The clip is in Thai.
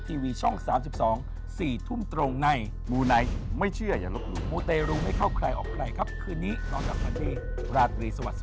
สวัสดีครับสวัสดีครับ